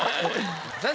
先生！